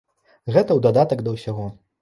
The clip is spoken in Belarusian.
Гэта ў дадатак да ўсяго.